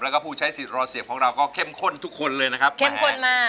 แล้วก็ผู้ใช้สิทธิ์รอเสียบของเราก็เข้มข้นทุกคนเลยนะครับเข้มข้นมาก